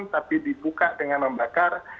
tetapi dibuka dengan membakar